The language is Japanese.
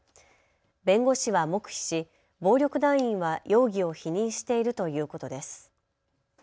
弁護士は黙秘し暴力団員は容疑を否認しているということです。